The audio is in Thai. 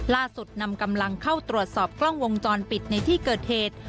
นำกำลังเข้าตรวจสอบกล้องวงจรปิดในที่เกิดเหตุ